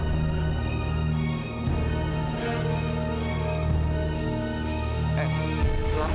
gak ada suaranya